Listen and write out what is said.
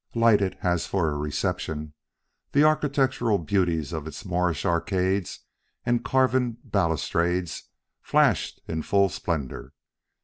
Lighted as for a reception, the architectural beauties of its Moorish arcades and carven balustrades flashed in full splendor.